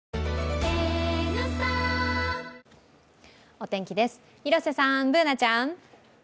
お天気です、広瀬さん、Ｂｏｏｎａちゃん。